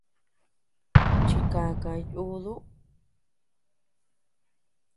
Chikaka yuduu.